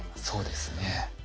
そうですね。